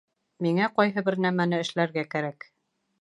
Миңә ҡайһы бер нәмәне эшләргә кәрәк